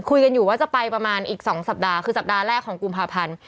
คุยกันอยู่ว่าจะไปประมาณอีก๒สัปดาห์คือสัปดาห์แรกของกุมภาพันธ์